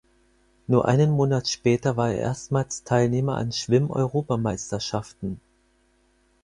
Nur einen Monat später war er erstmals Teilnehmer an Schwimmeuropameisterschaften.